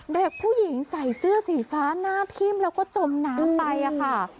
เด็กผู้หญิงใส่เสื้อสีฟ้าหน้าทิ่มแล้วก็จมน้ำไปค่ะ